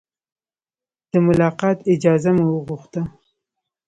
د ملاقات اجازه مو وغوښته.